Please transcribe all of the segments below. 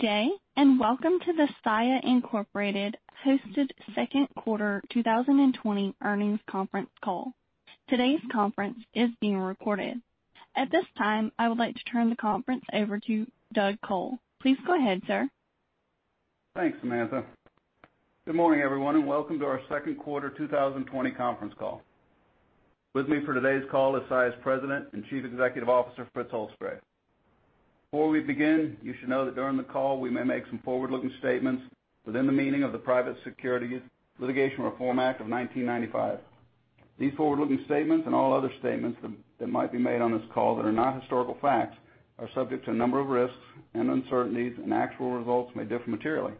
Good day, and welcome to the Saia Incorporated hosted second quarter 2020 earnings conference call. Today's conference is being recorded. At this time, I would like to turn the conference over to Doug Col. Please go ahead, sir. Thanks, Samantha. Good morning, everyone, welcome to our second quarter 2020 conference call. With me for today's call is Saia's President and Chief Executive Officer, Fritz Holzgrefe. Before we begin, you should know that during the call, we may make some forward-looking statements within the meaning of the Private Securities Litigation Reform Act of 1995. These forward-looking statements, and all other statements that might be made on this call that are not historical facts, are subject to a number of risks and uncertainties, and actual results may differ materially.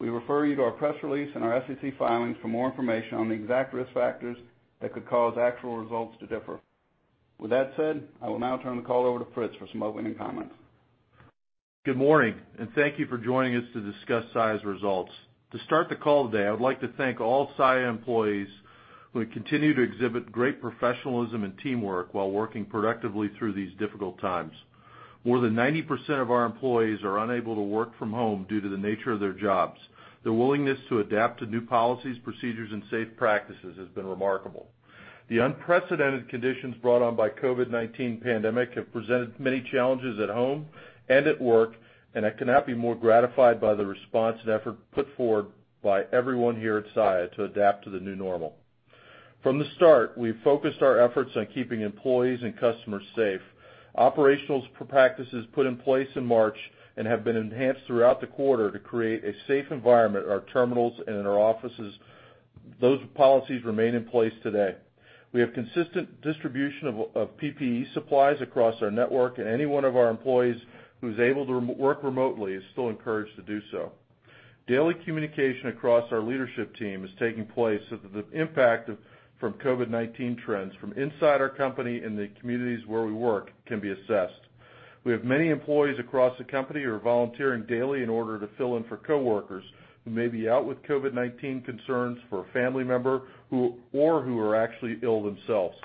We refer you to our press release and our SEC filings for more information on the exact risk factors that could cause actual results to differ. With that said, I will now turn the call over to Fritz for some opening comments. Good morning, and thank you for joining us to discuss Saia's results. To start the call today, I would like to thank all Saia employees who continue to exhibit great professionalism and teamwork while working productively through these difficult times. More than 90% of our employees are unable to work from home due to the nature of their jobs. Their willingness to adapt to new policies, procedures, and safe practices has been remarkable. The unprecedented conditions brought on by COVID-19 pandemic have presented many challenges at home and at work, and I cannot be more gratified by the response and effort put forward by everyone here at Saia to adapt to the new normal. From the start, we've focused our efforts on keeping employees and customers safe. Operational practices put in place in March and have been enhanced throughout the quarter to create a safe environment at our terminals and in our offices. Those policies remain in place today. We have consistent distribution of PPE supplies across our network, and any one of our employees who's able to work remotely is still encouraged to do so. Daily communication across our leadership team is taking place so that the impact from COVID-19 trends from inside our company and the communities where we work can be assessed. We have many employees across the company who are volunteering daily in order to fill in for coworkers who may be out with COVID-19 concerns for a family member, or who are actually ill themselves.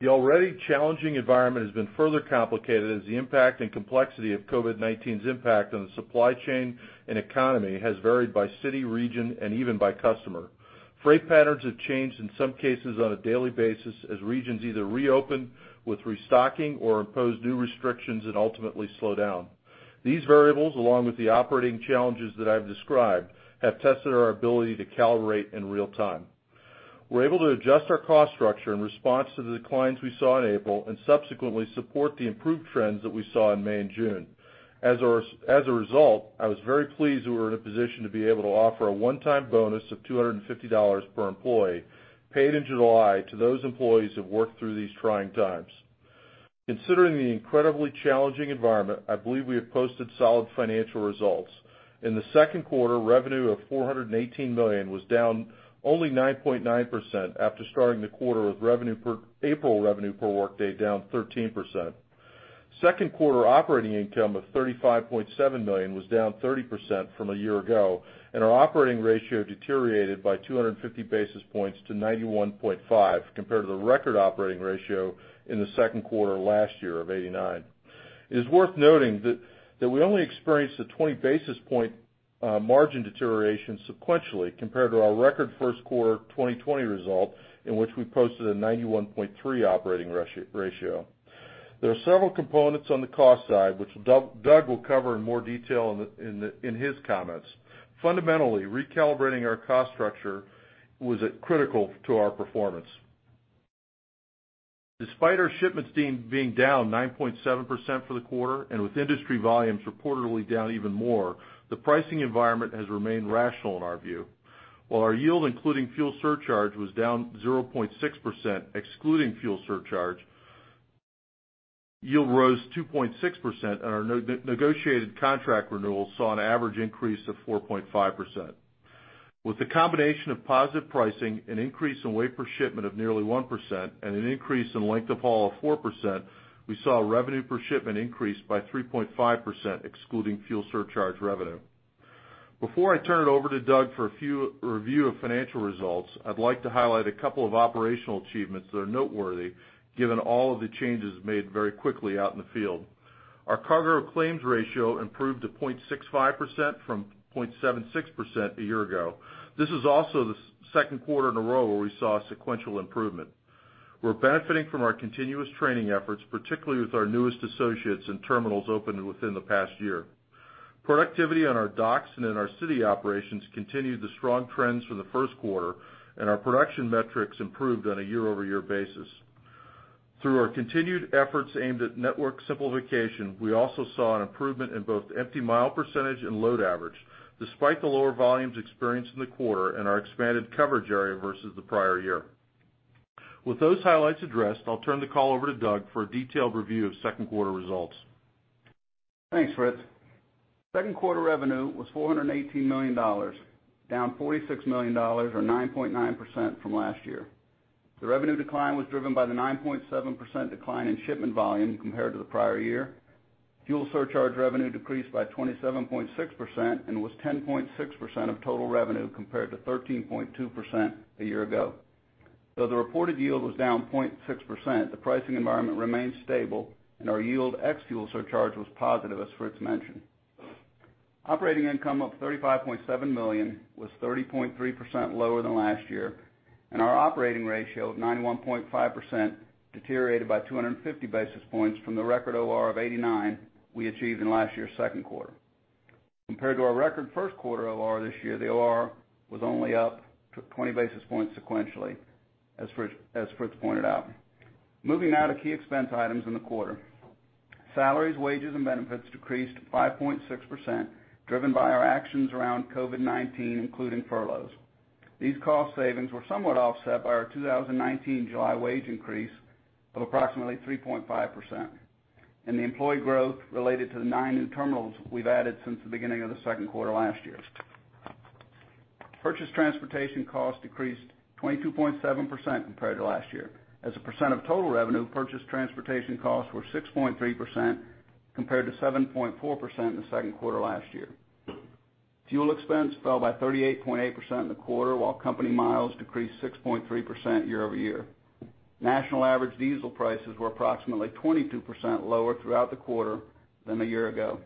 The already challenging environment has been further complicated as the impact and complexity of COVID-19's impact on the supply chain and economy has varied by city, region, and even by customer. Freight patterns have changed, in some cases on a daily basis, as regions either reopen with restocking or impose new restrictions and ultimately slow down. These variables, along with the operating challenges that I've described, have tested our ability to calibrate in real-time. We're able to adjust our cost structure in response to the declines we saw in April, and subsequently support the improved trends that we saw in May and June. As a result, I was very pleased that we were in a position to be able to offer a one-time bonus of $250 per employee, paid in July to those employees who have worked through these trying times. Considering the incredibly challenging environment, I believe we have posted solid financial results. In the second quarter, revenue of $418 million was down only 9.9% after starting the quarter with April revenue per workday down 13%. Second quarter operating income of $35.7 million was down 30% from a year ago, and our operating ratio deteriorated by 250 basis points to 91.5, compared to the record operating ratio in the second quarter last year of 89. It is worth noting that we only experienced a 20 basis point margin deterioration sequentially compared to our record first quarter 2020 result, in which we posted a 91.3 operating ratio. There are several components on the cost side, which Doug will cover in more detail in his comments. Fundamentally, recalibrating our cost structure was critical to our performance. Despite our shipments being down 9.7% for the quarter, and with industry volumes reportedly down even more, the pricing environment has remained rational in our view. While our yield including fuel surcharge was down 0.6%, excluding fuel surcharge, yield rose 2.6%, and our negotiated contract renewals saw an average increase of 4.5%. With the combination of positive pricing, an increase in weight per shipment of nearly 1%, and an increase in length of haul of 4%, we saw revenue per shipment increase by 3.5%, excluding fuel surcharge revenue. Before I turn it over to Doug for a review of financial results, I'd like to highlight a couple of operational achievements that are noteworthy given all of the changes made very quickly out in the field. Our cargo claims ratio improved to 0.65% from 0.76% a year ago. This is also the second quarter in a row where we saw a sequential improvement. We're benefiting from our continuous training efforts, particularly with our newest associates in terminals opened within the past year. Productivity on our docks and in our city operations continued the strong trends from the first quarter, and our production metrics improved on a year-over-year basis. Through our continued efforts aimed at network simplification, we also saw an improvement in both empty mile percentage and load average, despite the lower volumes experienced in the quarter and our expanded coverage area versus the prior year. With those highlights addressed, I'll turn the call over to Doug for a detailed review of second quarter results. Thanks, Fritz. Second quarter revenue was $418 million, down $46 million or 9.9% from last year. The revenue decline was driven by the 9.7% decline in shipment volume compared to the prior year. Fuel surcharge revenue decreased by 27.6% and was 10.6% of total revenue compared to 13.2% a year ago. The reported yield was down 0.6%, the pricing environment remained stable, and our yield ex-fuel surcharge was positive, as Fritz mentioned. Operating income of $35.7 million was 30.3% lower than last year, and our operating ratio of 91.5% deteriorated by 250 basis points from the record OR of 89% we achieved in last year's second quarter. Compared to our record first quarter OR this year, the OR was only up 20 basis points sequentially, as Fritz pointed out. Moving now to key expense items in the quarter. Salaries, wages, and benefits decreased 5.6%, driven by our actions around COVID-19, including furloughs. These cost savings were somewhat offset by our 2019 July wage increase of approximately 3.5%, and the employee growth related to the nine new terminals we've added since the beginning of the second quarter last year. Purchase transportation costs decreased 22.7% compared to last year. As a percent of total revenue, purchase transportation costs were 6.3% compared to 7.4% in the second quarter last year. Fuel expense fell by 38.8% in the quarter, while company miles decreased 6.3% year-over-year. National average diesel prices were approximately 22% lower throughout the quarter than a year ago.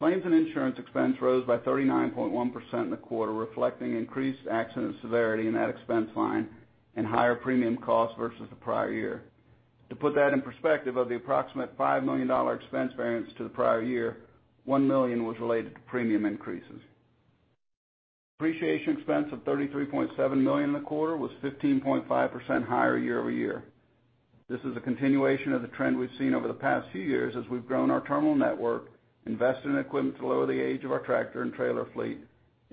Claims and insurance expense rose by 39.1% in the quarter, reflecting increased accident severity in that expense line and higher premium costs versus the prior year. To put that in perspective, of the approximate $5 million expense variance to the prior year, $1 million was related to premium increases. Depreciation expense of $33.7 million in the quarter was 15.5% higher year-over-year. This is a continuation of the trend we've seen over the past few years as we've grown our terminal network, invested in equipment to lower the age of our tractor and trailer fleet,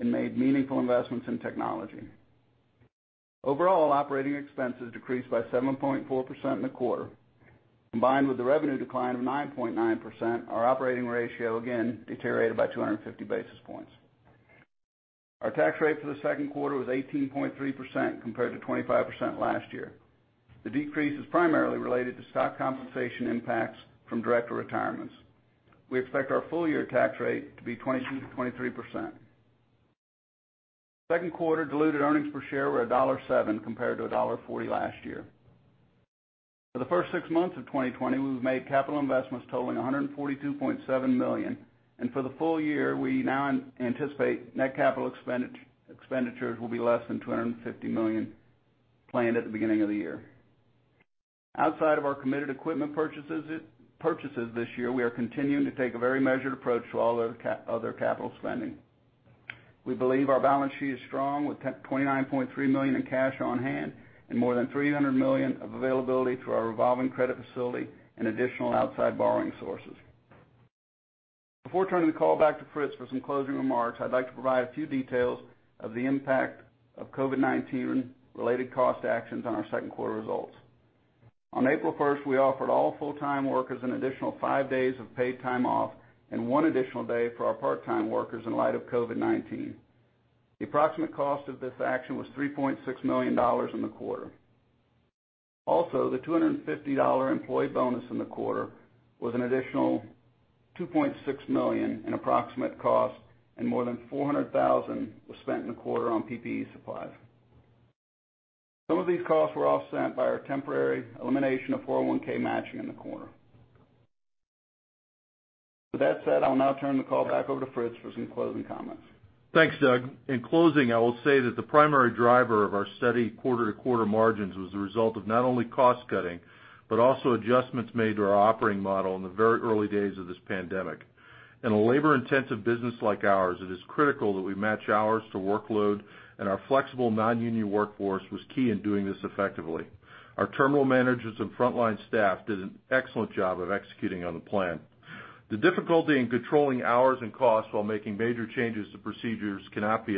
and made meaningful investments in technology. Overall, operating expenses decreased by 7.4% in the quarter. Combined with the revenue decline of 9.9%, our operating ratio again deteriorated by 250 basis points. Our tax rate for the second quarter was 18.3% compared to 25% last year. The decrease is primarily related to stock compensation impacts from director retirements. We expect our full-year tax rate to be 22%-23%. Second quarter diluted earnings per share were $1.07 compared to $1.40 last year. For the first six months of 2020, we've made capital investments totaling $142.7 million, and for the full year, we now anticipate net capital expenditures will be less than $250 million planned at the beginning of the year. Outside of our committed equipment purchases this year, we are continuing to take a very measured approach to all other capital spending. We believe our balance sheet is strong, with $29.3 million in cash on hand and more than $300 million of availability through our revolving credit facility and additional outside borrowing sources. Before turning the call back to Fritz for some closing remarks, I'd like to provide a few details of the impact of COVID-19 related cost actions on our second quarter results. On April 1st, we offered all full-time workers an additional five days of paid time off and one additional day for our part-time workers in light of COVID-19. The approximate cost of this action was $3.6 million in the quarter. The $250 employee bonus in the quarter was an additional $2.6 million in approximate cost, and more than $400,000 was spent in the quarter on PPE supplies. Some of these costs were offset by our temporary elimination of 401(k) matching in the quarter. With that said, I'll now turn the call back over to Fritz for some closing comments. Thanks, Doug. In closing, I will say that the primary driver of our steady quarter-to-quarter margins was the result of not only cost cutting, but also adjustments made to our operating model in the very early days of this pandemic. In a labor-intensive business like ours, it is critical that we match hours to workload, and our flexible non-union workforce was key in doing this effectively. Our terminal managers and frontline staff did an excellent job of executing on the plan. The difficulty in controlling hours and costs while making major changes to procedures cannot be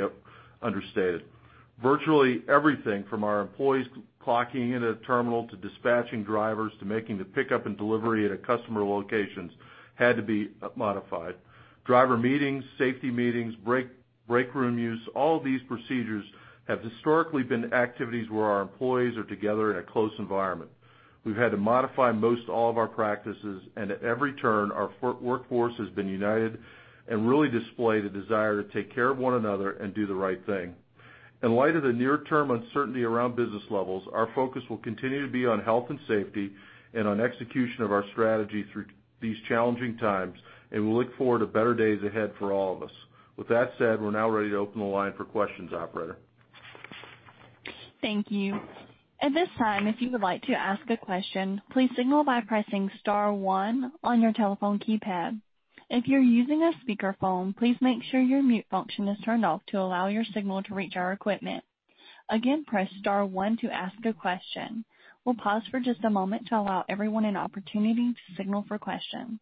understated. Virtually everything from our employees clocking into the terminal, to dispatching drivers, to making the pickup and delivery at a customer locations had to be modified. Driver meetings, safety meetings, break room use, all of these procedures have historically been activities where our employees are together in a close environment. We've had to modify most all of our practices. At every turn, our workforce has been united and really displayed a desire to take care of one another and do the right thing. In light of the near-term uncertainty around business levels, our focus will continue to be on health and safety and on execution of our strategy through these challenging times. We look forward to better days ahead for all of us. With that said, we're now ready to open the line for questions, operator. Thank you. At this time, if you would like to ask a question, please signal by pressing star one on your telephone keypad. If you're using a speakerphone, please make sure your mute function is turned off to allow your signal to reach our equipment. Again, press star one to ask a question. We'll pause for just a moment to allow everyone an opportunity to signal for questions.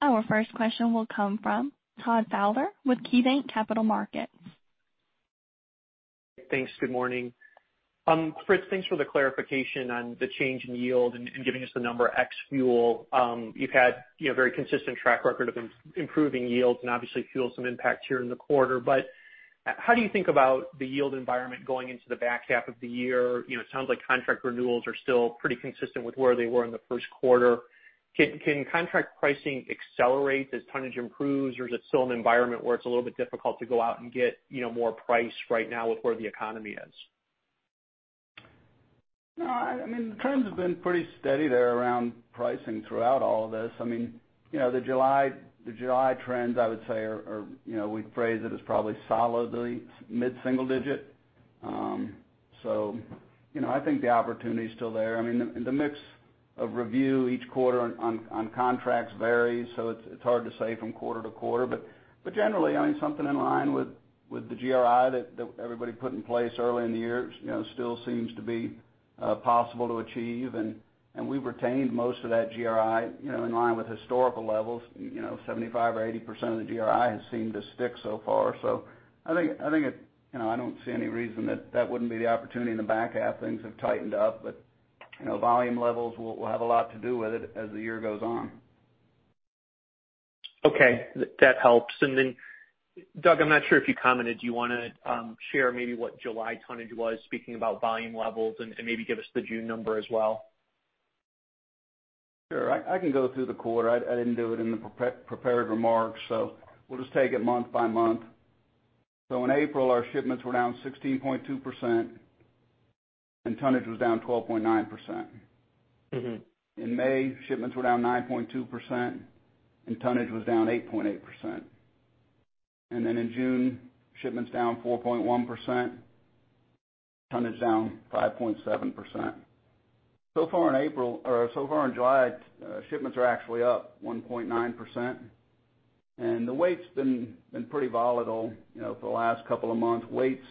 Our first question will come from Todd Fowler with KeyBanc Capital Markets. Thanks. Good morning. Fritz, thanks for the clarification on the change in yield and giving us the number ex-fuel. You've had a very consistent track record of improving yields and obviously fuel some impact here in the quarter. How do you think about the yield environment going into the back half of the year? It sounds like contract renewals are still pretty consistent with where they were in the first quarter. Can contract pricing accelerate as tonnage improves, is it still an environment where it's a little bit difficult to go out and get more price right now with where the economy is? No, the trends have been pretty steady there around pricing throughout all of this. The July trends, I would say, we'd phrase it as probably solidly mid-single-digit. I think the opportunity is still there. The mix of review each quarter on contracts varies, so it's hard to say from quarter to quarter. Generally, something in line with the GRI that everybody put in place early in the year still seems to be possible to achieve. We've retained most of that GRI in line with historical levels, 75% or 80% of the GRI has seemed to stick so far. I don't see any reason that that wouldn't be the opportunity in the back half. Things have tightened up, but volume levels will have a lot to do with it as the year goes on. Okay. That helps. Doug, I'm not sure if you commented, do you want to share maybe what July tonnage was, speaking about volume levels, and maybe give us the June number as well? Sure. I can go through the quarter. I didn't do it in the prepared remarks. We'll just take it month by month. In April, our shipments were down 16.2%, and tonnage was down 12.9%. In May, shipments were down 9.2%, and tonnage was down 8.8%. In June, shipments down 4.1%, tonnage down 5.7%. So far in July, shipments are actually up 1.9%, and the weight's been pretty volatile for the last couple of months. Weight's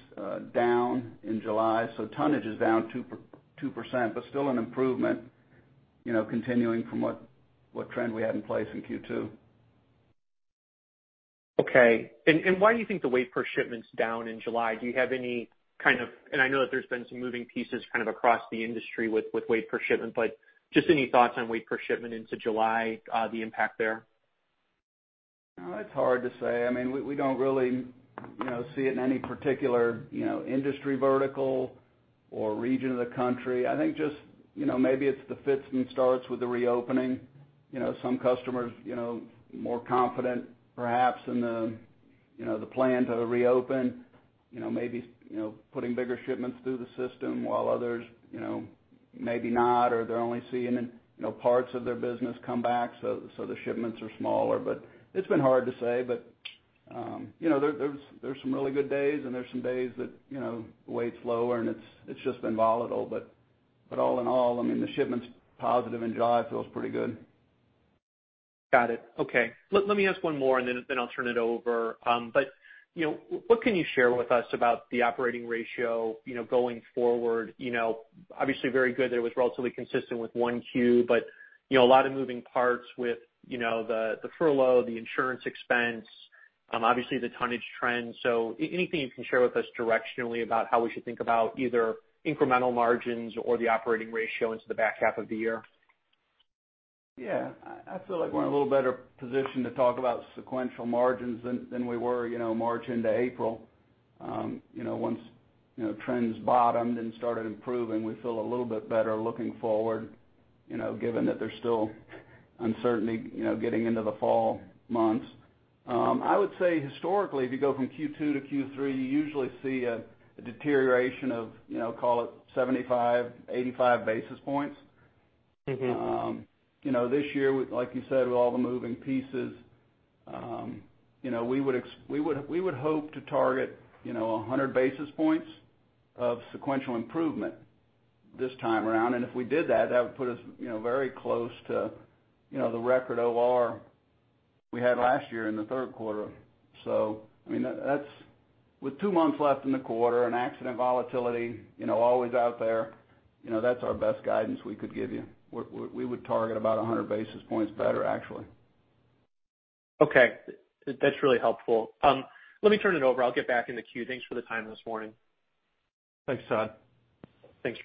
down in July, tonnage is down 2%, still an improvement, continuing from what trend we had in place in Q2. Okay. Why do you think the weight per shipment's down in July? I know that there's been some moving pieces across the industry with weight per shipment, but just any thoughts on weight per shipment into July, the impact there? It's hard to say. We don't really see it in any particular industry vertical or region of the country. I think just maybe it's the fits and starts with the reopening. Some customers more confident perhaps in the plan to reopen, maybe putting bigger shipments through the system while others maybe not, or they're only seeing parts of their business come back, so the shipments are smaller. It's been hard to say. There's some really good days, and there's some days that weight's lower, and it's just been volatile. All in all, the shipments positive in July feels pretty good. Got it. Okay. Let me ask one more, and then I'll turn it over. What can you share with us about the operating ratio going forward? Obviously very good that it was relatively consistent with 1Q, but a lot of moving parts with the furlough, the insurance expense, and obviously the tonnage trends. Anything you can share with us directionally about how we should think about either incremental margins or the operating ratio into the back half of the year? I feel like we're in a little better position to talk about sequential margins than we were March into April. Once trends bottomed and started improving, we feel a little bit better looking forward, given that there's still uncertainty getting into the fall months. I would say historically, if you go from Q2 to Q3, you usually see a deterioration of call it 75, 85 basis points. This year, like you said, with all the moving pieces, we would hope to target 100 basis points of sequential improvement this time around. If we did that would put us very close to the record OR we had last year in the third quarter. With two months left in the quarter and accident volatility always out there, that's our best guidance we could give you. We would target about 100 basis points better, actually. Okay. That's really helpful. Let me turn it over. I'll get back in the queue. Thanks for the time this morning. Thanks, Todd. Thanks.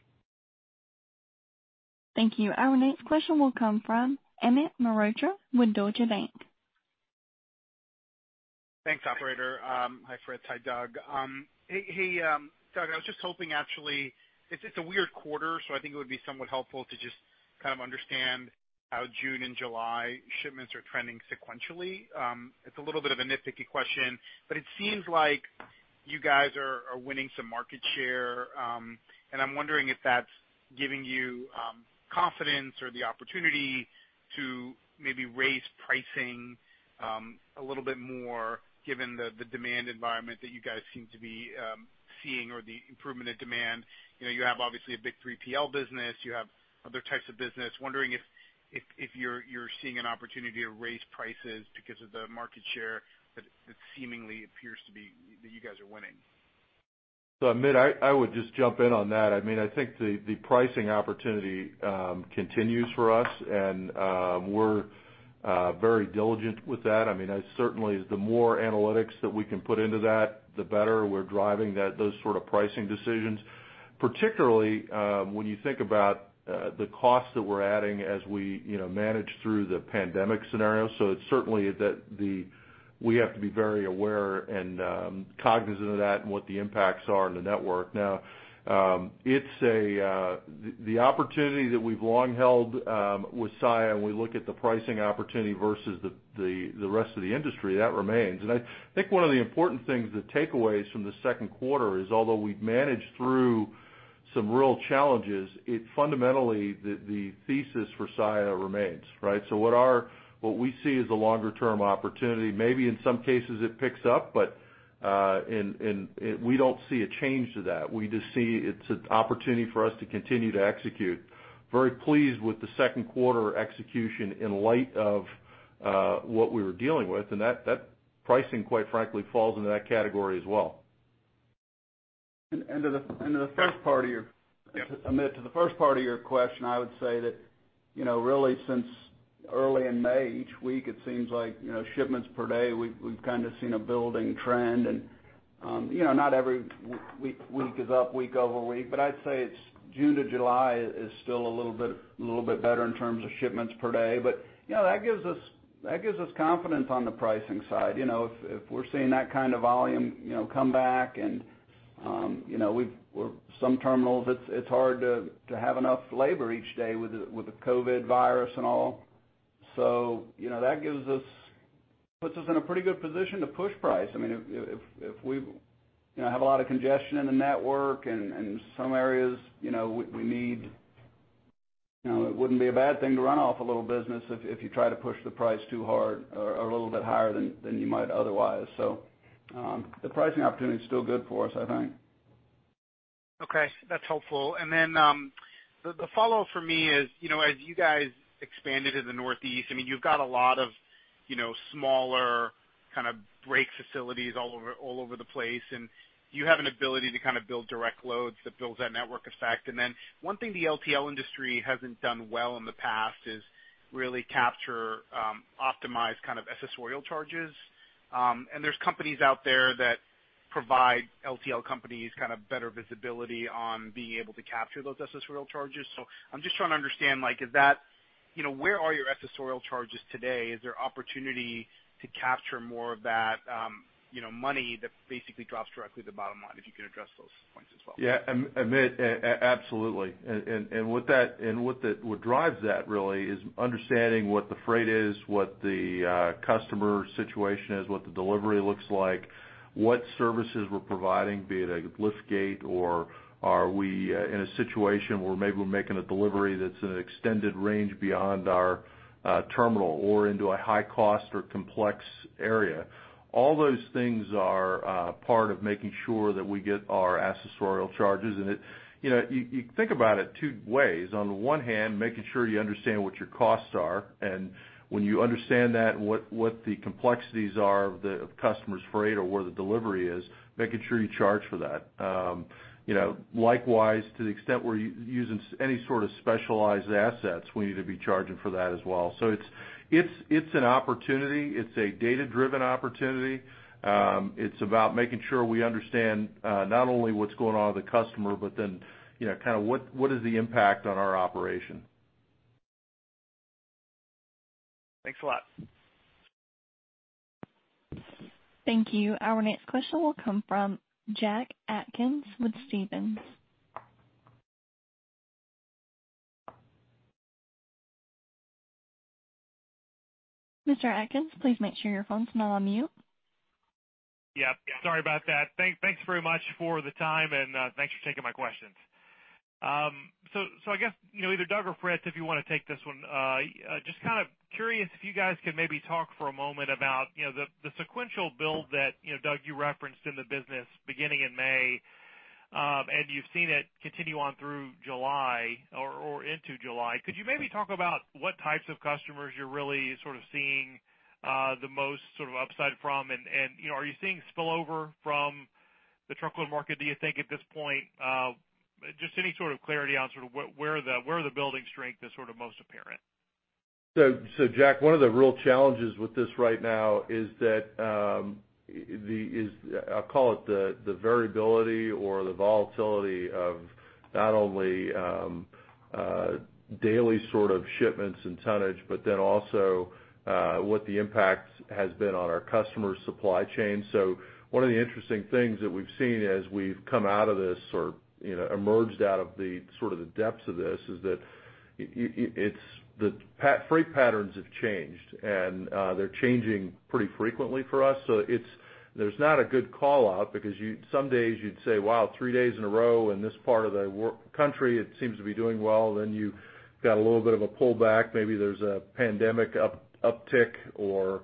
Thank you. Our next question will come from Amit Mehrotra with Deutsche Bank. Thanks, operator. Hi, Fritz. Hi, Doug. Hey, Doug, I was just hoping actually, it's a weird quarter. I think it would be somewhat helpful to just understand how June and July shipments are trending sequentially. It's a little bit of a nitpicky question. It seems like you guys are winning some market share. I'm wondering if that's giving you confidence or the opportunity to maybe raise pricing a little bit more given the demand environment that you guys seem to be seeing or the improvement in demand. You have obviously a big 3PL business. You have other types of business. I'm wondering if you're seeing an opportunity to raise prices because of the market share that seemingly appears to be that you guys are winning. Amit, I would just jump in on that. I think the pricing opportunity continues for us, and we're very diligent with that. Certainly the more analytics that we can put into that, the better we're driving those sort of pricing decisions, particularly when you think about the cost that we're adding as we manage through the pandemic scenario. It's certainly that we have to be very aware and cognizant of that and what the impacts are in the network. The opportunity that we've long held with Saia when we look at the pricing opportunity versus the rest of the industry, that remains. I think one of the important things, the takeaways from the second quarter is although we've managed through some real challenges, it's fundamentally, the thesis for Saia remains, right? What we see is the longer-term opportunity. Maybe in some cases it picks up, but we don't see a change to that. We just see it's an opportunity for us to continue to execute. Very pleased with the second quarter execution in light of what we were dealing with. That pricing, quite frankly, falls into that category as well. Amit, to the first part of your question, I would say that really since early in May, each week it seems like shipments per day, we've kind of seen a building trend. Not every week is up week over week, but I'd say it's June to July is still a little bit better in terms of shipments per day. That gives us confidence on the pricing side. If we're seeing that kind of volume come back, and some terminals, it's hard to have enough labor each day with the COVID virus and all. That puts us in a pretty good position to push price. If we have a lot of congestion in the network and some areas, it wouldn't be a bad thing to run off a little business if you try to push the price too hard or a little bit higher than you might otherwise. The pricing opportunity is still good for us, I think. Okay, that's helpful. The follow-up for me is, as you guys expanded in the Northeast, you've got a lot of smaller kind of break facilities all over the place, and you have an ability to kind of build direct loads that builds that network effect. One thing the LTL industry hasn't done well in the past is really capture optimized kind of accessorial charges. There's companies out there that provide LTL companies kind of better visibility on being able to capture those accessorial charges. I'm just trying to understand, where are your accessorial charges today? Is there opportunity to capture more of that money that basically drops directly to the bottom line? If you could address those points as well. Yeah, Amit, absolutely. What drives that really is understanding what the freight is, what the customer situation is, what the delivery looks like, what services we're providing, be it a lift gate, or are we in a situation where maybe we're making a delivery that's in an extended range beyond our terminal or into a high cost or complex area. All those things are part of making sure that we get our accessorial charges. You think about it two ways. On the one hand, making sure you understand what your costs are, and when you understand that and what the complexities are of the customer's freight or where the delivery is, making sure you charge for that. Likewise, to the extent we're using any sort of specialized assets, we need to be charging for that as well. It's an opportunity. It's a data-driven opportunity. It's about making sure we understand not only what's going on with the customer, but then, kind of what is the impact on our operation. Thanks a lot. Thank you. Our next question will come from Jack Atkins with Stephens. Mr. Atkins, please make sure your phone's not on mute. Yep, sorry about that. Thanks very much for the time, and thanks for taking my questions. I guess, either Doug or Fritz, if you want to take this one. Just kind of curious if you guys could maybe talk for a moment about the sequential build that, Doug, you referenced in the business beginning in May, and you've seen it continue on through July or into July. Could you maybe talk about what types of customers you're really sort of seeing the most sort of upside from, and are you seeing spillover from the truckload market, do you think at this point? Just any sort of clarity on sort of where the building strength is sort of most apparent. Jack, one of the real challenges with this right now is that, I'll call it the variability or the volatility of not only daily sort of shipments and tonnage, but then also what the impact has been on our customers' supply chain. One of the interesting things that we've seen as we've come out of this or emerged out of the sort of the depths of this, is that the freight patterns have changed, and they're changing pretty frequently for us. There's not a good call-out because some days you'd say, wow, three days in a row in this part of the country, it seems to be doing well. You've got a little bit of a pullback. Maybe there's a pandemic uptick or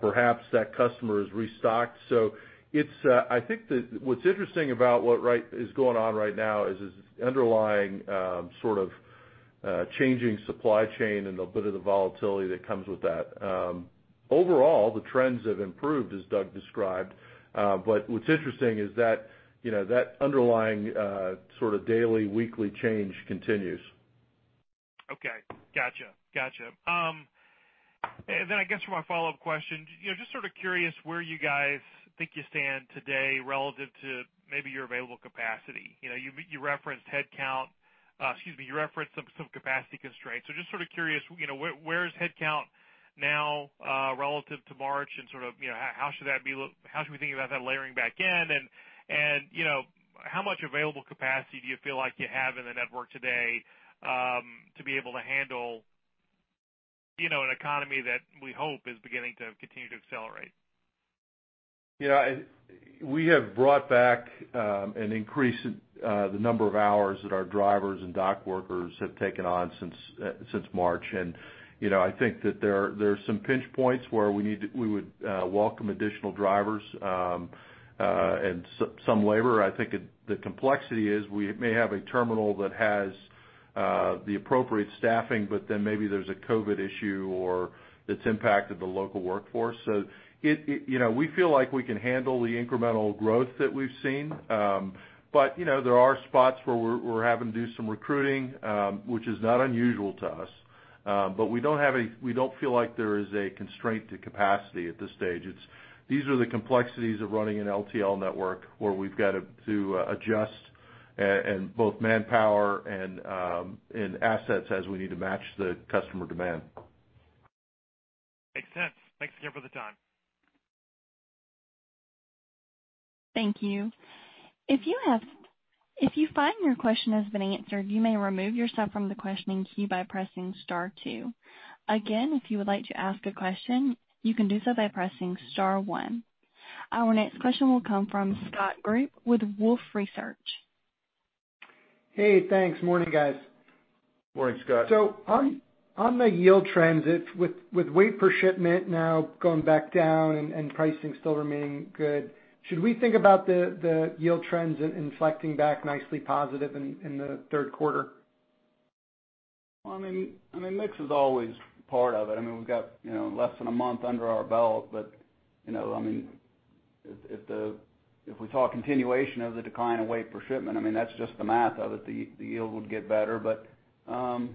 perhaps that customer has restocked. I think that what's interesting about what is going on right now is this underlying sort of changing supply chain and a bit of the volatility that comes with that. Overall, the trends have improved, as Doug described. What's interesting is that underlying sort of daily, weekly change continues. Okay. Got you. I guess for my follow-up question, just sort of curious where you guys think you stand today relative to maybe your available capacity? You referenced some capacity constraints. Just sort of curious, where is headcount now, relative to March and sort of how should we think about that layering back in? How much available capacity do you feel like you have in the network today to be able to handle an economy that we hope is beginning to continue to accelerate? Yeah. We have brought back and increased the number of hours that our drivers and dock workers have taken on since March. I think that there are some pinch points where we would welcome additional drivers and some labor. I think the complexity is we may have a terminal that has the appropriate staffing, but then maybe there's a COVID issue or it's impacted the local workforce. We feel like we can handle the incremental growth that we've seen. There are spots where we're having to do some recruiting, which is not unusual to us. We don't feel like there is a constraint to capacity at this stage. These are the complexities of running an LTL network, where we've got to adjust in both manpower and in assets as we need to match the customer demand. Makes sense. Thanks again for the time. Thank you. If you find your question has been answered, you may remove yourself from the questioning queue by pressing star two. Again, if you would like to ask a question, you can do so by pressing star one. Our next question will come from Scott Group with Wolfe Research. Hey, thanks. Morning, guys. Morning, Scott. On the yield trends, with weight per shipment now going back down and pricing still remaining good, should we think about the yield trends inflecting back nicely positive in the third quarter? Well, mix is always part of it. We've got less than a month under our belt, but if we saw a continuation of the decline of weight per shipment, that's just the math of it, the yield would get better. I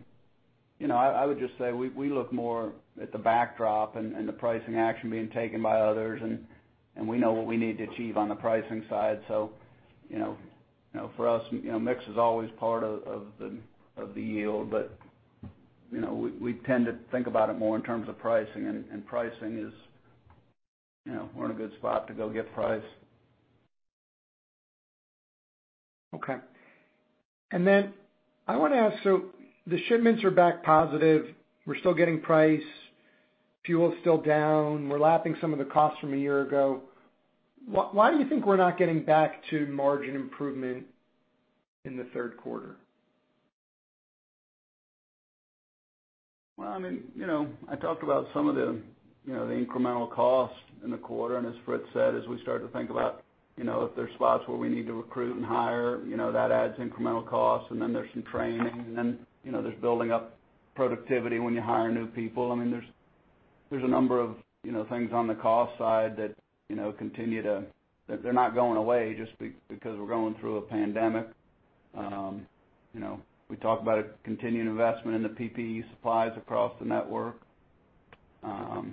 would just say we look more at the backdrop and the pricing action being taken by others, and we know what we need to achieve on the pricing side. For us, mix is always part of the yield, but we tend to think about it more in terms of pricing and pricing is, we're in a good spot to go get price. Okay. I want to ask, so the shipments are back positive. We're still getting price. Fuel is still down. We're lapping some of the costs from a year ago. Why do you think we're not getting back to margin improvement in the third quarter? Well, I talked about some of the incremental cost in the quarter, and as Fritz said, as we start to think about if there's spots where we need to recruit and hire, that adds incremental cost, and then there's some training, and then there's building up productivity when you hire new people. There's a number of things on the cost side that they're not going away just because we're going through a pandemic. We talked about a continued investment in the PPE supplies across the network. Yeah,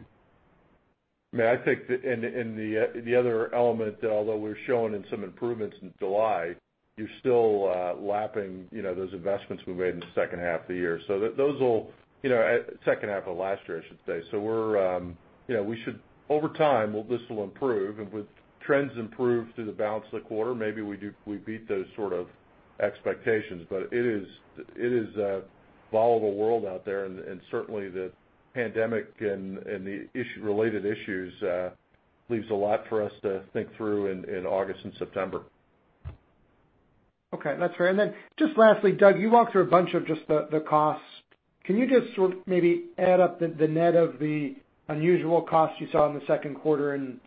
I think the other element, although we're showing in some improvements in July, you're still lapping those investments we made in the second half of the last year. Over time, this will improve, and if trends improve through the balance of the quarter, maybe we beat those sort of expectations. It is a volatile world out there, and certainly the pandemic and the related issues leaves a lot for us to think through in August and September. Okay. That's fair. Just lastly, Doug, you walked through a bunch of just the costs. Can you just maybe add up the net of the unusual costs you saw in the second quarter and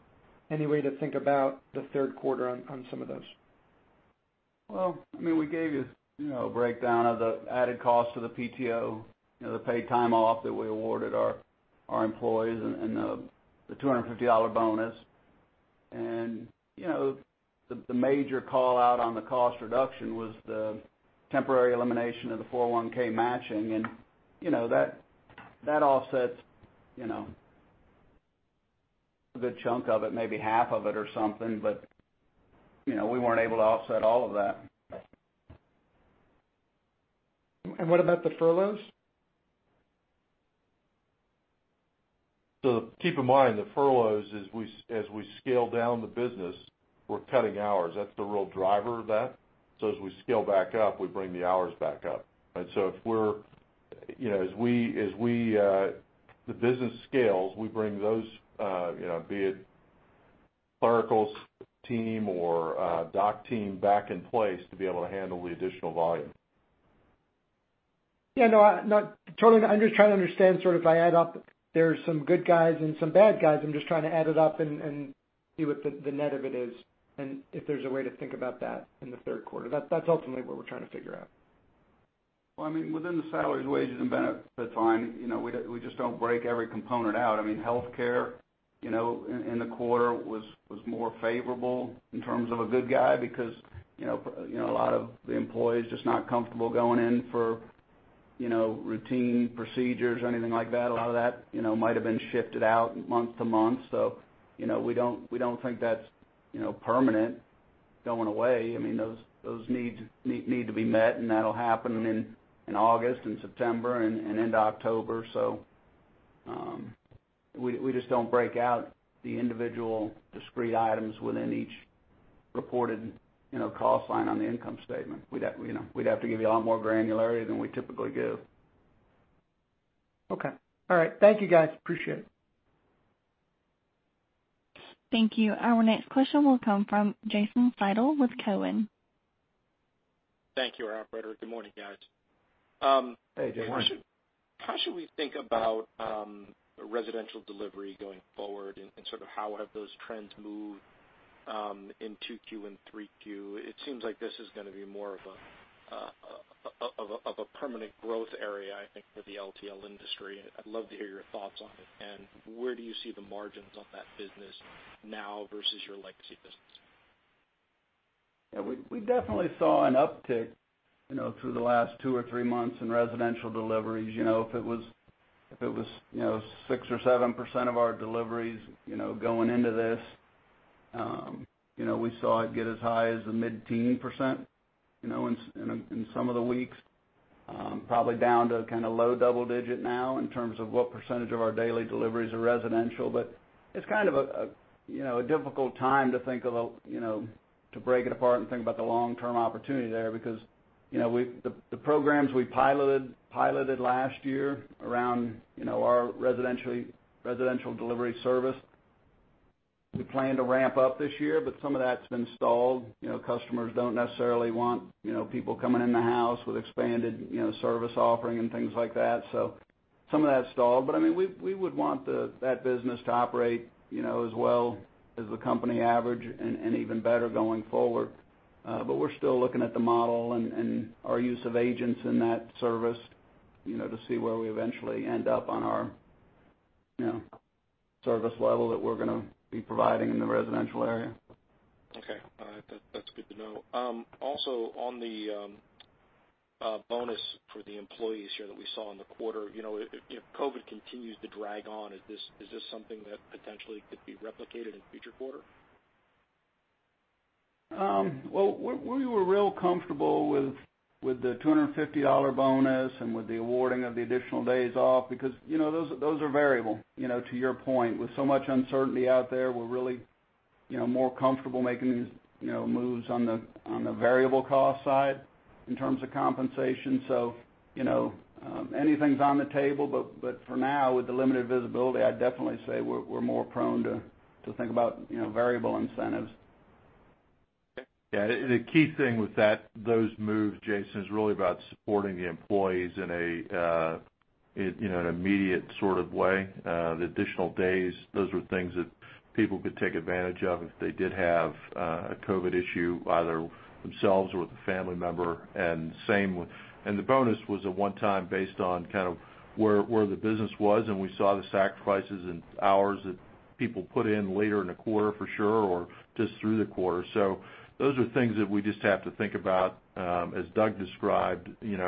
any way to think about the third quarter on some of those? Well, we gave you a breakdown of the added cost of the PTO, the paid time off that we awarded our employees and the $250 bonus. The major call-out on the cost reduction was the temporary elimination of the 401(k) matching, and that offsets a good chunk of it, maybe half of it or something, but we weren't able to offset all of that. What about the furloughs? Keep in mind, the furloughs, as we scale down the business, we're cutting hours. That's the real driver of that. As we scale back up, we bring the hours back up. As the business scales, we bring those, be it clerical team or dock team back in place to be able to handle the additional volume. Yeah. No, I'm just trying to understand, if I add up, there's some good guys and some bad guys. I'm just trying to add it up and see what the net of it is and if there's a way to think about that in the third quarter. That's ultimately what we're trying to figure out. Within the salaries, wages, and benefits line, we just don't break every component out. healthcare in the quarter was more favorable in terms of a good guy because a lot of the employees, just not comfortable going in for routine procedures or anything like that. A lot of that might have been shifted out month to month. We don't think that's permanent going away. Those needs need to be met, and that'll happen in August and September and into October. We just don't break out the individual discrete items within each reported cost line on the income statement. We'd have to give you a lot more granularity than we typically give. Okay. All right. Thank you, guys. Appreciate it. Thank you. Our next question will come from Jason Seidl with Cowen. Thank you, operator. Good morning, guys. Hey, Jason. How should we think about residential delivery going forward and how have those trends moved in 2Q and 3Q? It seems like this is going to be more of a permanent growth area, I think, for the LTL industry. I'd love to hear your thoughts on it, and where do you see the margins on that business now versus your legacy business? Yeah, we definitely saw an uptick through the last two or three months in residential deliveries. If it was 6% or 7% of our deliveries going into this, we saw it get as high as the mid-teen percent in some of the weeks. Probably down to low double-digit now in terms of what percentage of our daily deliveries are residential. It's a difficult time to break it apart and think about the long-term opportunity there, because the programs we piloted last year around our Residential Delivery Service, we plan to ramp up this year, but some of that's been stalled. Customers don't necessarily want people coming in the house with expanded service offering and things like that. Some of that stalled. We would want that business to operate as well as the company average and even better going forward. We're still looking at the model and our use of agents in that service to see where we eventually end up on our service level that we're going to be providing in the residential area. Okay. All right. That's good to know. Also, on the bonus for the employees here that we saw in the quarter. If COVID continues to drag on, is this something that potentially could be replicated in a future quarter? Well, we were real comfortable with the $250 bonus and with the awarding of the additional days off because those are variable. To your point, with so much uncertainty out there, we're really more comfortable making these moves on the variable cost side in terms of compensation. Anything's on the table, but for now, with the limited visibility, I'd definitely say we're more prone to think about variable incentives. Yeah. The key thing with those moves, Jason, is really about supporting the employees in an immediate way. The additional days, those were things that people could take advantage of if they did have a COVID issue, either themselves or with a family member. The bonus was a one-time based on where the business was, and we saw the sacrifices in hours that people put in later in the quarter for sure, or just through the quarter. Those are things that we just have to think about, as Doug described, in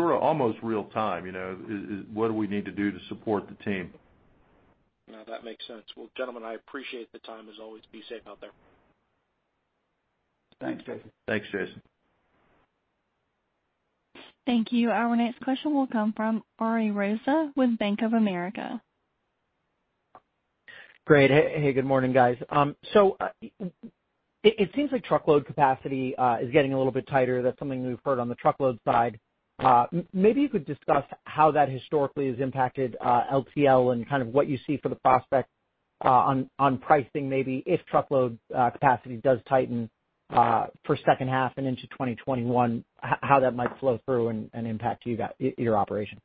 almost real-time. What do we need to do to support the team? No, that makes sense. Well, gentlemen, I appreciate the time as always. Be safe out there. Thanks, Jason. Thanks, Jason. Thank you. Our next question will come from Ari Rosa with Bank of America. Great. Hey, good morning, guys. It seems like truckload capacity is getting a little bit tighter. That's something we've heard on the truckload side. Maybe you could discuss how that historically has impacted LTL and what you see for the prospect on pricing, maybe if truckload capacity does tighten for second half and into 2021, how that might flow through and impact your operation.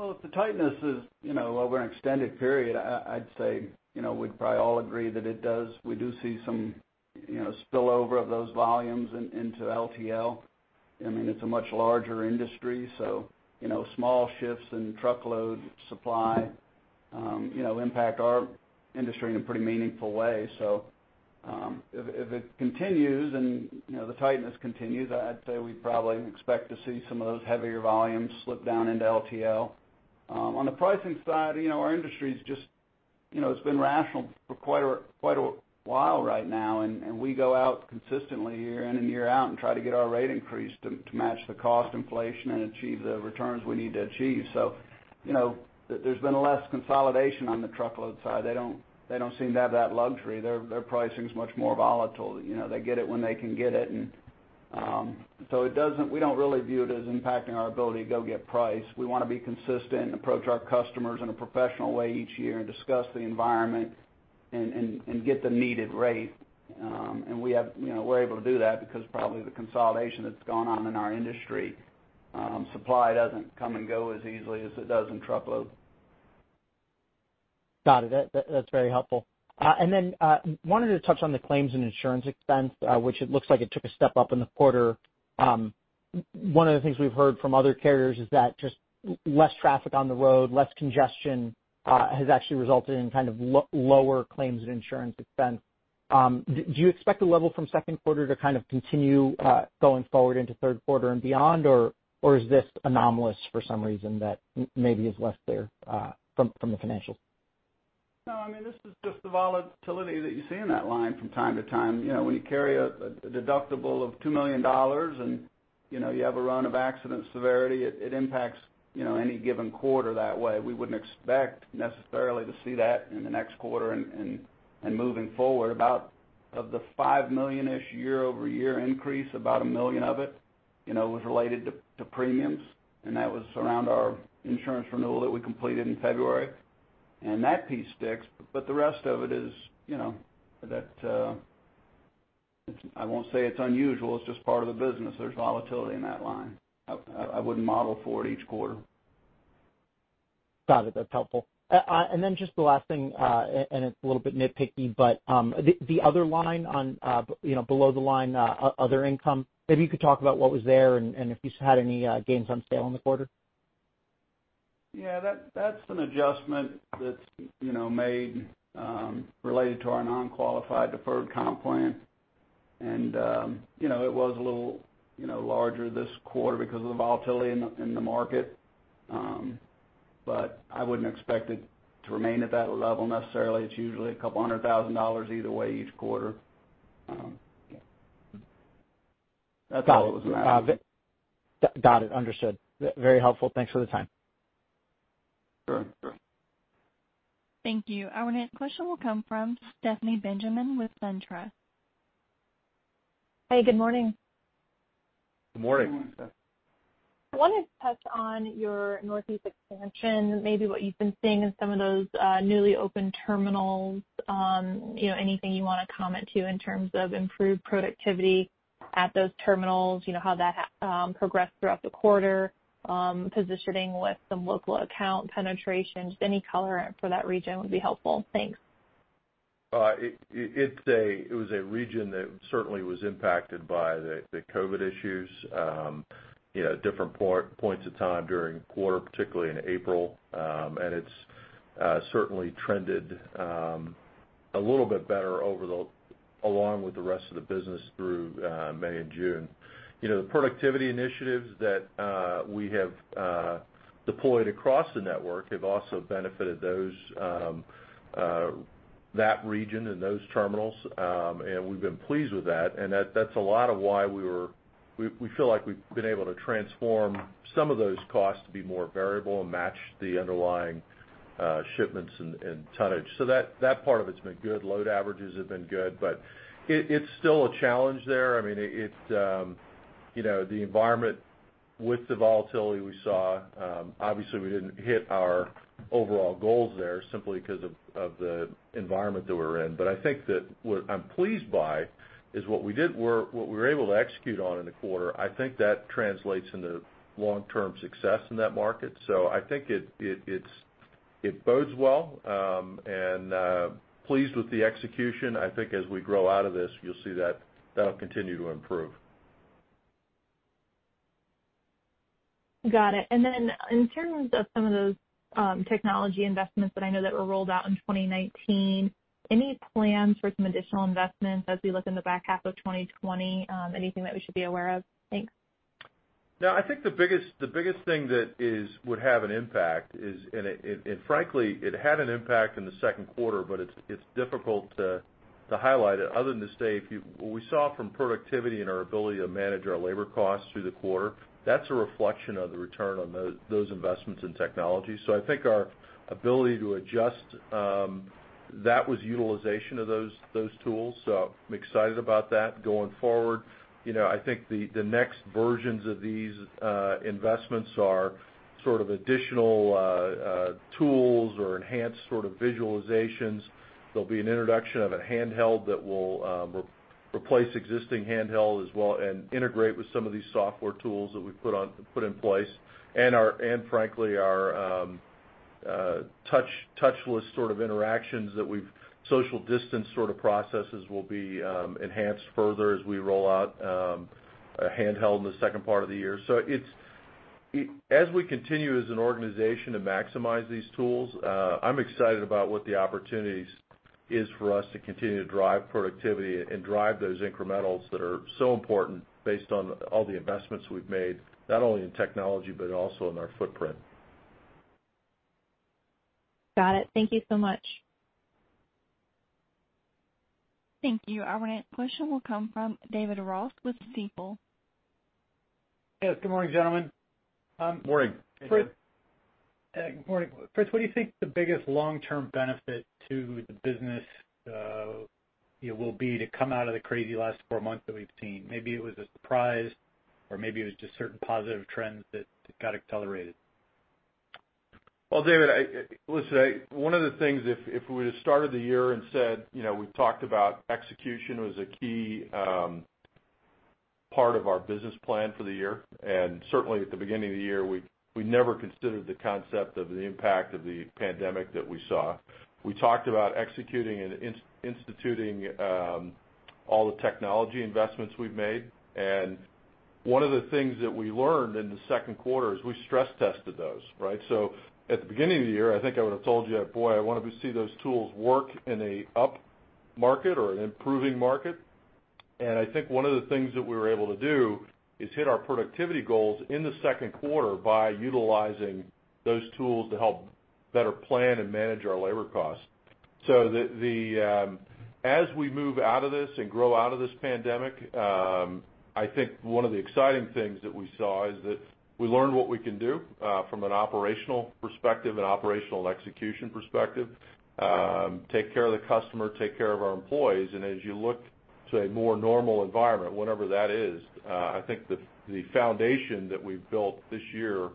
If the tightness is over an extended period, I'd say we'd probably all agree that we do see some spillover of those volumes into LTL. It's a much larger industry, so small shifts in truckload supply impact our industry in a pretty meaningful way. If it continues and the tightness continues, I'd say we'd probably expect to see some of those heavier volumes slip down into LTL. On the pricing side, our industry's just been rational for quite a while right now, and we go out consistently year in and year out and try to get our rate increased to match the cost inflation and achieve the returns we need to achieve. There's been less consolidation on the truckload side. They don't seem to have that luxury. Their pricing's much more volatile. They get it when they can get it. We don't really view it as impacting our ability to go get price. We want to be consistent and approach our customers in a professional way each year and discuss the environment and get the needed rate. We're able to do that because probably the consolidation that's gone on in our industry. Supply doesn't come and go as easily as it does in truckload. Got it. That's very helpful. Then, wanted to touch on the claims and insurance expense, which it looks like it took a step up in the quarter. One of the things we've heard from other carriers is that just less traffic on the road, less congestion has actually resulted in lower claims and insurance expense. Do you expect the level from second quarter to continue going forward into third quarter and beyond, or is this anomalous for some reason that maybe is less clear from the financials? No, this is just the volatility that you see in that line from time to time. When you carry a deductible of $2 million and you have a run of accident severity, it impacts any given quarter that way. We wouldn't expect necessarily to see that in the next quarter and moving forward. About of the $5 million-ish year-over-year increase, about $1 million of it was related to premiums, and that was around our insurance renewal that we completed in February. That piece sticks, but the rest of it is I won't say it's unusual, it's just part of the business. There's volatility in that line. I wouldn't model for it each quarter. Got it. That's helpful. Just the last thing, and it's a little bit nitpicky, the other line below the line, other income, maybe you could talk about what was there and if you had any gains on sale in the quarter. Yeah. That's an adjustment that's made related to our non-qualified deferred comp plan. It was a little larger this quarter because of the volatility in the market. I wouldn't expect it to remain at that level necessarily. It's usually a couple hundred thousand dollars either way each quarter. Got it. Understood. Very helpful. Thanks for the time. Sure. Thank you. Our next question will come from Stephanie Benjamin with SunTrust. Hey, good morning. Good morning, Stephanie. I wanted to touch on your Northeast expansion, maybe what you've been seeing in some of those newly opened terminals. Anything you want to comment to in terms of improved productivity at those terminals, how that progressed throughout the quarter, positioning with some local account penetration. Just any color for that region would be helpful. Thanks. It was a region that certainly was impacted by the COVID issues at different points of time during the quarter, particularly in April. It's certainly trended a little bit better along with the rest of the business through May and June. The productivity initiatives that we have deployed across the network have also benefited that region and those terminals. We've been pleased with that. That's a lot of why we feel like we've been able to transform some of those costs to be more variable and match the underlying shipments and tonnage. That part of it's been good. Load averages have been good. It's still a challenge there. The environment with the volatility we saw, obviously we didn't hit our overall goals there simply because of the environment that we're in. I think that what I'm pleased by is what we were able to execute on in the quarter. I think that translates into long-term success in that market. I think it bodes well. I am pleased with the execution. I think as we grow out of this, you'll see that'll continue to improve. Got it. In terms of some of those technology investments that I know that were rolled out in 2019, any plans for some additional investments as we look in the back half of 2020? Anything that we should be aware of? Thanks. No, I think the biggest thing that would have an impact is, frankly, it had an impact in the second quarter. It is difficult to highlight it other than to say, what we saw from productivity and our ability to manage our labor costs through the quarter, that's a reflection of the return on those investments in technology. I think our ability to adjust, that was utilization of those tools. I am excited about that going forward. I think the next versions of these investments are sort of additional tools or enhanced sort of visualizations. There'll be an introduction of a handheld that will replace existing handheld as well, and integrate with some of these software tools that we've put in place. Frankly, our touchless sort of interactions, that we've social distanced sort of processes will be enhanced further as we roll out a handheld in the second part of the year. As we continue as an organization to maximize these tools, I'm excited about what the opportunities is for us to continue to drive productivity and drive those incrementals that are so important based on all the investments we've made, not only in technology, but also in our footprint. Got it. Thank you so much. Thank you. Our next question will come from David Ross with Stifel. Yes, good morning, gentlemen. Morning. Morning. Fritz, what do you think the biggest long-term benefit to the business will be to come out of the crazy last four months that we've seen? Maybe it was a surprise or maybe it was just certain positive trends that got accelerated. Well, David, listen, one of the things, if we would've started the year and said we've talked about execution was a key part of our business plan for the year, and certainly at the beginning of the year, we never considered the concept of the impact of the pandemic that we saw. We talked about executing and instituting all the technology investments we've made. One of the things that we learned in the second quarter is we stress tested those, right? At the beginning of the year, I think I would've told you that, boy, I wanted to see those tools work in an up market or an improving market. I think one of the things that we were able to do is hit our productivity goals in the second quarter by utilizing those tools to help better plan and manage our labor costs. As we move out of this and grow out of this pandemic, I think one of the exciting things that we saw is that we learned what we can do from an operational perspective and operational execution perspective. Take care of the customer, take care of our employees. As you look to a more normal environment, whatever that is, I think the foundation that we've built this year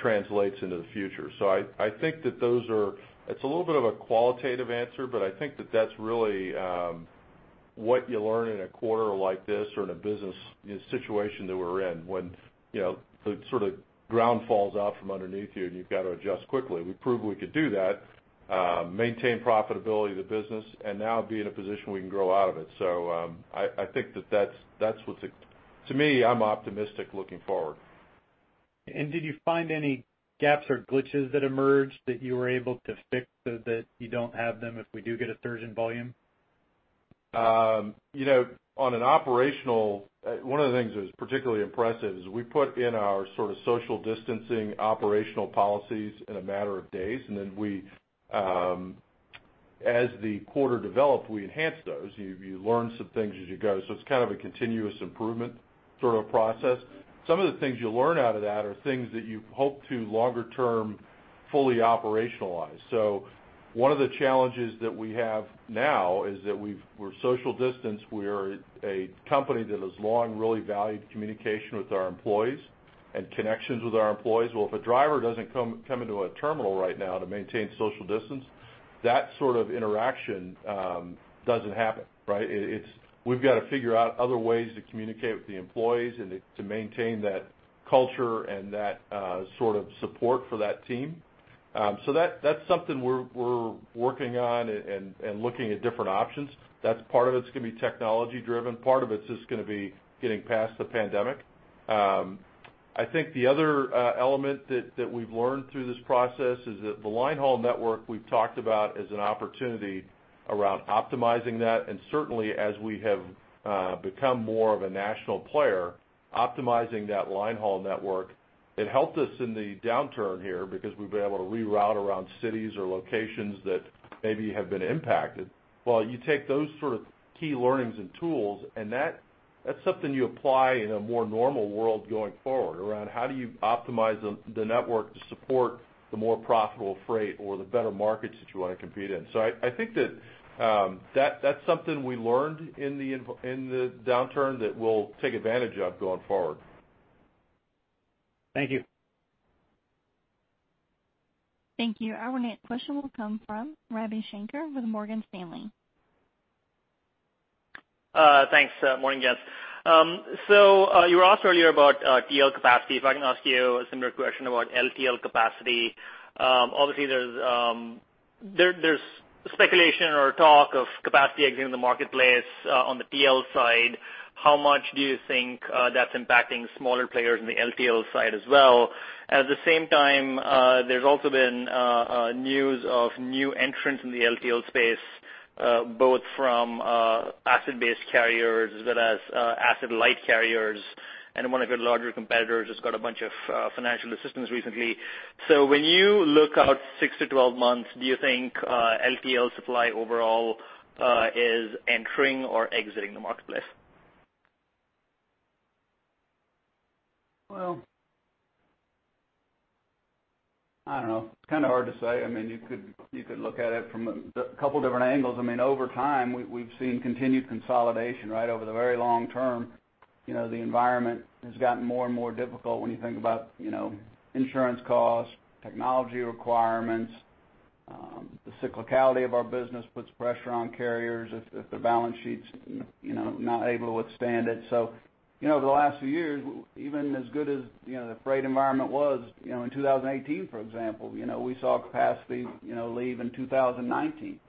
translates into the future. I think that those are, it's a little bit of a qualitative answer, but I think that that's really what you learn in a quarter like this or in a business situation that we're in, when the sort of ground falls out from underneath you and you've got to adjust quickly. We proved we could do that, maintain profitability of the business and now be in a position we can grow out of it. I think that to me, I'm optimistic looking forward. Did you find any gaps or glitches that emerged that you were able to fix so that you don't have them if we do get a surge in volume? One of the things that was particularly impressive is we put in our sort of social distancing operational policies in a matter of days, and then as the quarter developed, we enhanced those. You learn some things as you go. It's kind of a continuous improvement sort of process. Some of the things you learn out of that are things that you hope to longer term fully operationalize. One of the challenges that we have now is that we're social distanced. We are a company that has long really valued communication with our employees and connections with our employees. Well, if a driver doesn't come into a terminal right now to maintain social distance, that sort of interaction doesn't happen, right? We've got to figure out other ways to communicate with the employees and to maintain that culture and that sort of support for that team. That's something we're working on and looking at different options. Part of it's going to be technology driven. Part of it's just going to be getting past the pandemic. I think the other element that we've learned through this process is that the line haul network we've talked about as an opportunity around optimizing that, and certainly as we have become more of a national player, optimizing that line haul network, it helped us in the downturn here because we've been able to reroute around cities or locations that maybe have been impacted. You take those sort of key learnings and tools and that's something you apply in a more normal world going forward around how do you optimize the network to support the more profitable freight or the better markets that you want to compete in. I think that that's something we learned in the downturn that we'll take advantage of going forward. Thank you. Thank you. Our next question will come from Ravi Shanker with Morgan Stanley. Thanks. Morning, guys. You were asked earlier about TL capacity. If I can ask you a similar question about LTL capacity. Obviously, there's speculation or talk of capacity exiting the marketplace on the TL side. How much do you think that's impacting smaller players in the LTL side as well? At the same time, there's also been news of new entrants in the LTL space, both from asset-based carriers as well as asset light carriers. One of your larger competitors has got a bunch of financial assistance recently. When you look out 6-12 months, do you think LTL supply overall is entering or exiting the marketplace? Well, I don't know. It's kind of hard to say. You could look at it from a couple different angles. Over time, we've seen continued consolidation over the very long-term. The environment has gotten more and more difficult when you think about insurance costs, technology requirements. The cyclicality of our business puts pressure on carriers if their balance sheet's not able to withstand it. Over the last few years, even as good as the freight environment was in 2018, for example, we saw capacity leave in 2019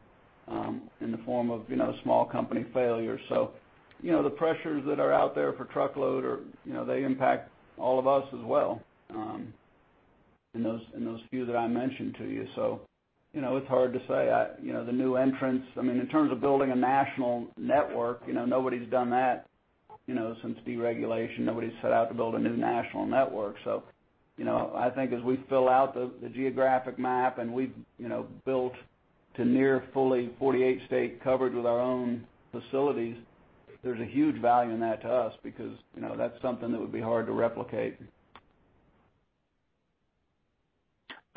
in the form of small company failures. The pressures that are out there for truckload, they impact all of us as well in those few that I mentioned to you. It's hard to say. The new entrants, in terms of building a national network, nobody's done that since deregulation. Nobody's set out to build a new national network. I think as we fill out the geographic map and we've built to near fully 48 state coverage with our own facilities, there's a huge value in that to us because that's something that would be hard to replicate.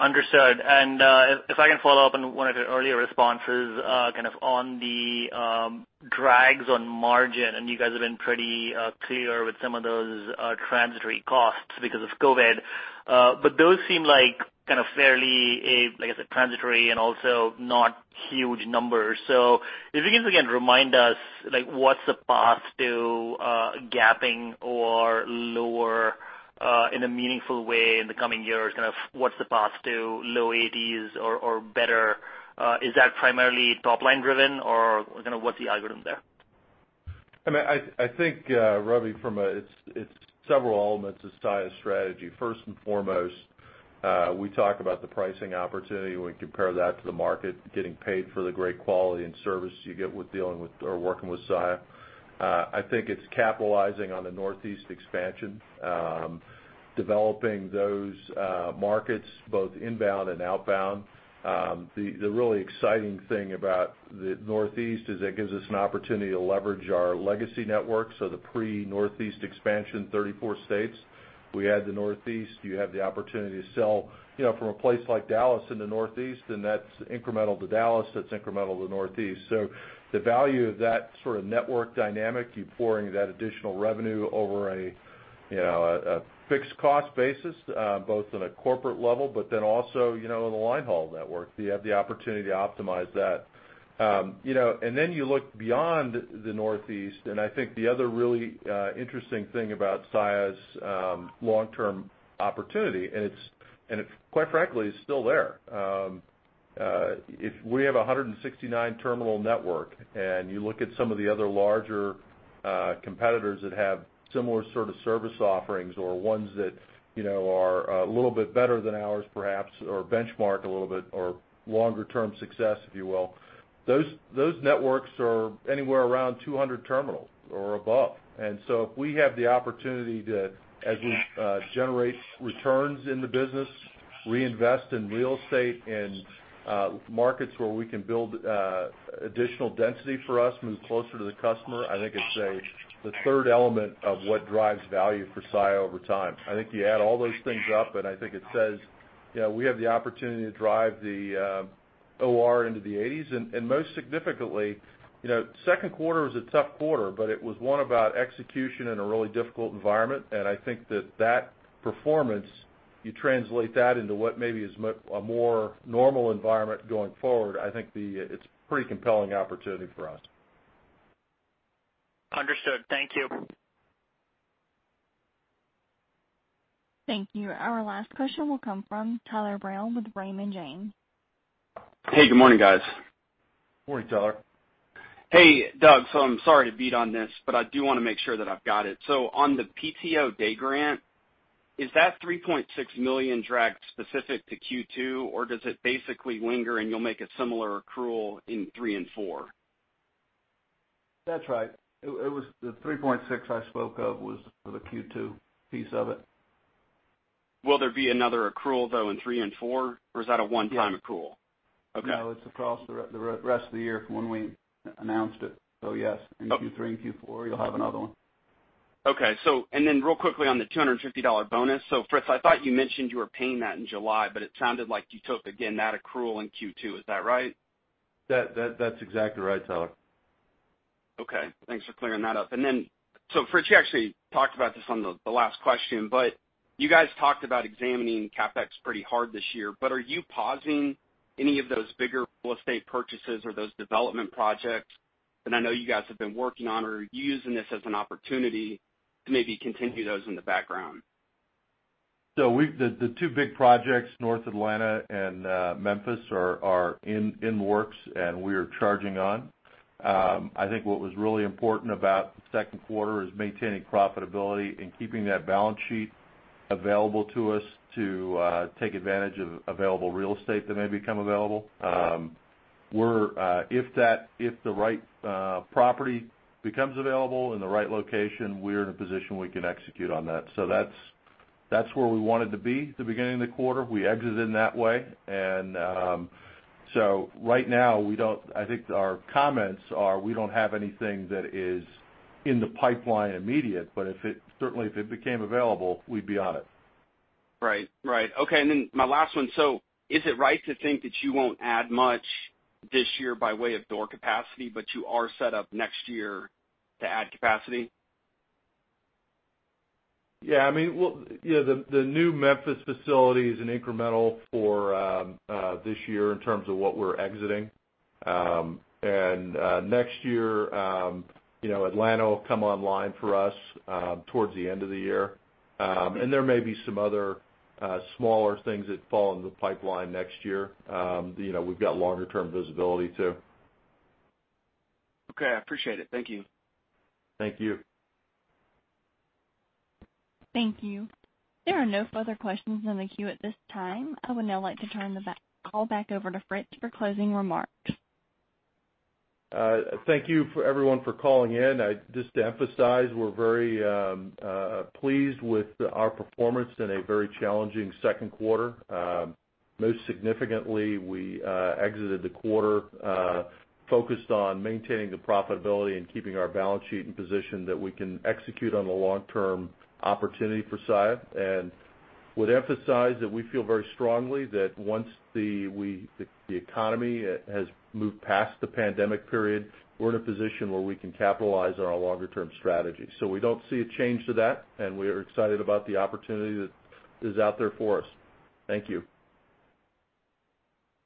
Understood. If I can follow up on one of your earlier responses, kind of on the drags on margin, and you guys have been pretty clear with some of those transitory costs because of COVID. Those seem like kind of fairly, like I said, transitory and also not huge numbers. If you can just again remind us, like what's the path to gapping or lower in a meaningful way in the coming years? Kind of what's the path to low 80s or better? Is that primarily top line driven or what's the algorithm there? I think, Ravi, it's several elements of Saia strategy. First and foremost, we talk about the pricing opportunity when we compare that to the market, getting paid for the great quality and service you get with dealing with or working with Saia. I think it's capitalizing on the Northeast expansion, developing those markets both inbound and outbound. The really exciting thing about the Northeast is it gives us an opportunity to leverage our legacy network, the pre Northeast expansion, 34 states. We add the Northeast, you have the opportunity to sell from a place like Dallas into Northeast, that's incremental to Dallas, that's incremental to the Northeast. The value of that sort of network dynamic, you pouring that additional revenue over a fixed cost basis, both on a corporate level, but then also in the line haul network. You have the opportunity to optimize that. You look beyond the Northeast. I think the other really interesting thing about Saia's long-term opportunity, and quite frankly, it's still there. If we have 169-terminal network and you look at some of the other larger competitors that have similar sort of service offerings or ones that are a little bit better than ours perhaps, or benchmark a little bit or longer-term success, if you will, those networks are anywhere around 200 terminals or above. If we have the opportunity to, as we generate returns in the business, reinvest in real estate in markets where we can build additional density for us, move closer to the customer, I think it's the third element of what drives value for Saia over time. I think you add all those things up, and I think it says we have the opportunity to drive the OR into the 80s. Most significantly, second quarter is a tough quarter, but it was one about execution in a really difficult environment, and I think that that performance, you translate that into what maybe is a more normal environment going forward, I think it's pretty compelling opportunity for us. Understood. Thank you. Thank you. Our last question will come from Tyler Brown with Raymond James. Hey, good morning, guys. Morning, Tyler. Hey, Doug. I'm sorry to beat on this, but I do want to make sure that I've got it. On the PTO day grant, is that $3.6 million drag specific to Q2, or does it basically linger, and you'll make a similar accrual in three and four? That's right. The $3.6 million I spoke of was for the Q2 piece of it. Will there be another accrual, though, in three and four, or is that a one-time accrual? Yes. Okay. No, it's across the rest of the year from when we announced it. Yes, in Q3 and Q4 you'll have another one. Okay. Real quickly on the $250 bonus. Fritz, I thought you mentioned you were paying that in July, but it sounded like you took again that accrual in Q2. Is that right? That's exactly right, Tyler. Okay, thanks for clearing that up. Fritz, you actually talked about this on the last question, but you guys talked about examining CapEx pretty hard this year, but are you pausing any of those bigger real estate purchases or those development projects that I know you guys have been working on, or are you using this as an opportunity to maybe continue those in the background? The two big projects, North Atlanta and Memphis, are in the works, and we are charging on. I think what was really important about the second quarter is maintaining profitability and keeping that balance sheet available to us to take advantage of available real estate that may become available. If the right property becomes available in the right location, we're in a position we can execute on that. That's where we wanted to be at the beginning of the quarter. We exited in that way. Right now, I think our comments are we don't have anything that is in the pipeline immediate, but certainly if it became available, we'd be on it. Right. Okay. My last one. Is it right to think that you won't add much this year by way of door capacity, but you are set up next year to add capacity? Yeah. The new Memphis facility is an incremental for this year in terms of what we're exiting. Next year Atlanta will come online for us towards the end of the year. There may be some other smaller things that fall in the pipeline next year. We've got longer term visibility, too. Okay, I appreciate it. Thank you. Thank you. Thank you. There are no further questions in the queue at this time. I would now like to turn the call back over to Fritz for closing remarks. Thank you for everyone for calling in. Just to emphasize, we're very pleased with our performance in a very challenging second quarter. Most significantly, we exited the quarter focused on maintaining the profitability and keeping our balance sheet in position that we can execute on the long-term opportunity for Saia. Would emphasize that we feel very strongly that once the economy has moved past the pandemic period, we're in a position where we can capitalize on our longer term strategy. We don't see a change to that, and we are excited about the opportunity that is out there for us. Thank you.